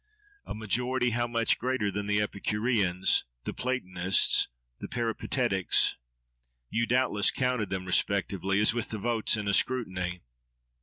—A majority how much greater than the Epicureans, the Platonists, the Peripatetics? You, doubtless, counted them respectively, as with the votes in a scrutiny.